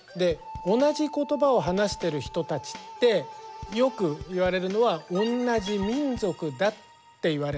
同じことばを話している人たちってよく言われるのは同じ民族だって言われるんですね。